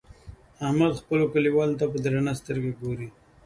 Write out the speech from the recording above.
احمد خپلو کليوالو ته په درنه سترګه ګوري.